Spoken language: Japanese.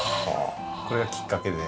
これがきっかけで。